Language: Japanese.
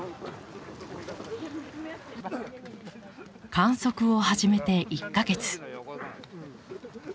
観測を始めて１か月。